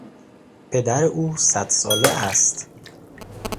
پدر او صد ساله است.